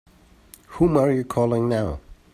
Whom are you calling now?